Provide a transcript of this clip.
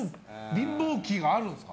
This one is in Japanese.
貧乏期があるんですか？